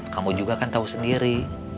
kamu juga kan tahu sendiri